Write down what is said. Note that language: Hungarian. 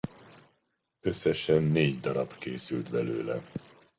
Összesen négy db készült belőle.